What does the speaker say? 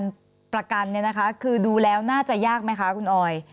ทีนี้ค่ะในส่วนของการประกันคือดูแล้วน่าจะยากไหมคะคุณออย